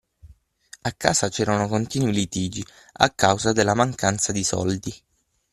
A casa c'erano continui litigi a causa della mancanza di soldi.